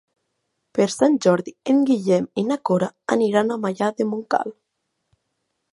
Per Sant Jordi en Guillem i na Cora aniran a Maià de Montcal.